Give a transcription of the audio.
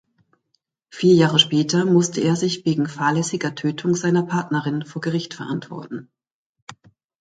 Vier Jahre später musste er sich wegen fahrlässiger Tötung seiner Partnerin vor Gericht verantworten.